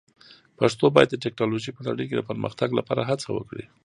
پښتو باید د ټکنالوژۍ په نړۍ کې د پرمختګ لپاره هڅه وکړي.